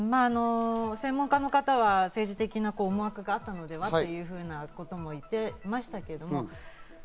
専門家の方は政治的な思惑があったのではというふうなことも言ってましたけど。